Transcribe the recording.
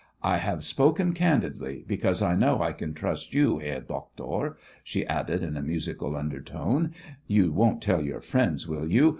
"I have spoken candidly, because I know I can trust you, Herr Doctor," she added, in a musical undertone. "You won't tell your friends, will you?